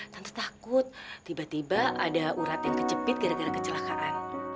tante takut tiba tiba ada urat yang kejepit gara gara kecelakaan